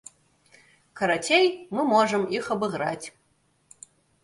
Карацей, мы можам іх абыграць.